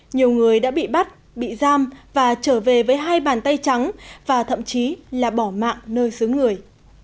nhiều người đã bị bắt bị giam và trở về với hai bàn tay trắng và thậm chí là bỏ mạng nơi xứ người